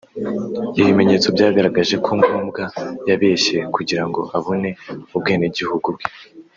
Ibimenyetso byagaragaje ko Ngombwa yabeshye kugira ngo abone ubwenegihugu bwe